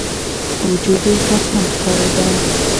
وجود یې خرسن ښکارېده.